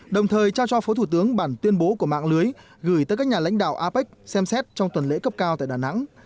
đồng thời trao cho phó thủ tướng bản tuyên bố của mạng lưới gửi tới các nhà lãnh đạo apec xem xét trong tuần lễ cấp cao tại đà nẵng